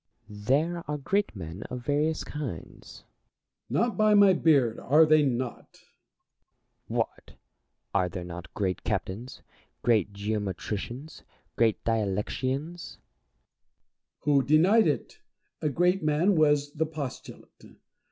Plato. There are great men of various kinds. Diogenes. No, by my beard, are there not ! Plato. What ! are there not great captains, great geo metricians, great dialectitians ? Diogenes. Who denied it ? A great man was the postulate.